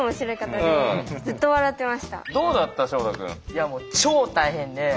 いやもう超大変で。